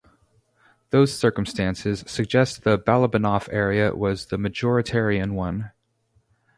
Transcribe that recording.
Those circumstances suggest the Balabanoff area was the majoritarian one.